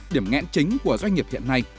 điểm ngãn chính của doanh nghiệp hiện nay